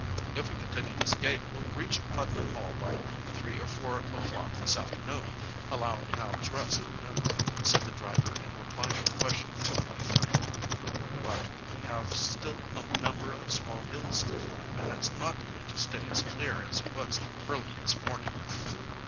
"If we can continue this gait we'll reach Putnam Hall by three or four o'clock this afternoon, allowing an hour's rest at noon," said the driver in reply to a question put by Frank. "But we have still a number of small hills to climb, and it's not going to stay as clear as it was early this morning."